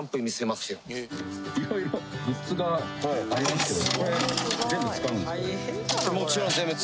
いろいろグッズがありますけど。